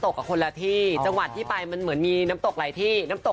ตอนนี้ก็เป็นเพื่อนที่สนิทที่สุดครับ